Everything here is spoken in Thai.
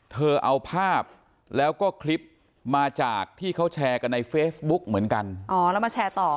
เธอเอาภาพแล้วก็คลิปมาจากที่เขาแชร์กันในเฟซบุ๊กเหมือนกันอ๋อแล้วมาแชร์ต่อ